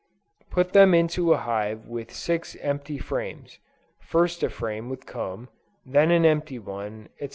Put them into a hive with six empty frames; first a frame with comb, then an empty one, &c.